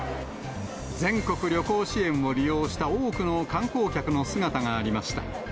全国旅行支援を利用した多くの観光客の姿がありました。